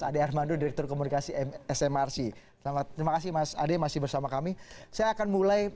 ade armando direktur komunikasi smrc selamat terima kasih mas ade masih bersama kami saya akan mulai